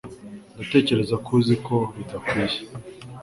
Ndatekereza ko uzi ko bidakwiye.